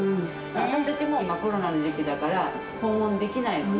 私たちもコロナの時期だから、訪問できないのね。